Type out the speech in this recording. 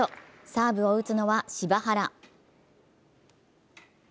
サーブを打つのは柴原。